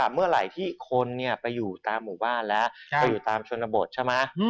เมื่อไหร่ที่คนไปอยู่ตามหมู่บ้านแล้วก็อยู่ตามชนบทใช่ไหม